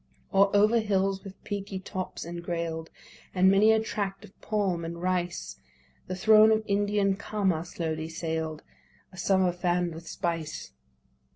Or over hills with peaky tops engrail'd, And many a tract of palm and rice, The throne of Indian Cama slowly sail'd A summer fann'd with spice.